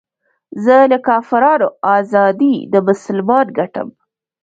زه له کافرانو ازادي د مسلمان ګټم